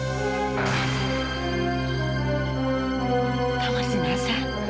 tamar di sini mas